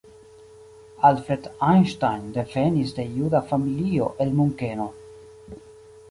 Alfred Einstein devenis de juda familio el Munkeno.